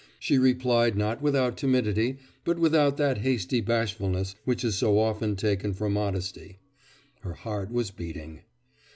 She replied not without timidity, but without that hasty bashfulness which is so often taken for modesty. Her heart was beating.